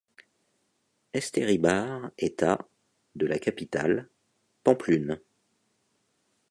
Esteribar est à de la capitale, Pampelune.